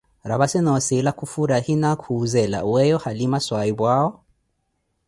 Raphassi nossila khufurahi, na kuhʼzela, weeyo halima swahiphuʼawo?